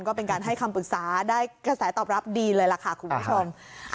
ก็เป็นการให้คำปรึกษาได้กระแสตอบรับดีเลยล่ะค่ะคุณผู้ชม